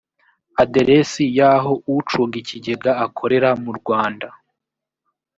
aderesi y aho ucunga ikigega akorera mu rwanda